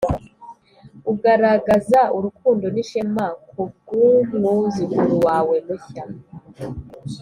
ugaragaza urukundo n'ishema kubwumwuzukuru wawe mushya